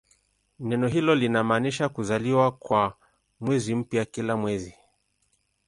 Neno hilo linamaanisha "kuzaliwa" kwa mwezi mpya kila mwezi.